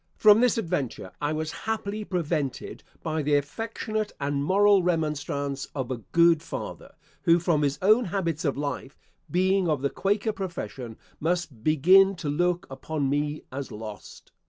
From this adventure I was happily prevented by the affectionate and moral remonstrance of a good father, who, from his own habits of life, being of the Quaker profession, must begin to look upon me as lost.